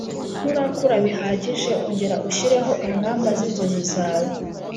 nturakura bihagije ongera ushyireho ingamba z ‘inzozi zawe